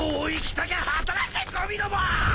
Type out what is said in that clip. たきゃ働けゴミども！